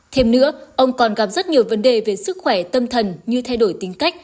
thêm nữa ông còn gặp rất nhiều vấn đề về sức khỏe tâm thần như thay đổi tính cách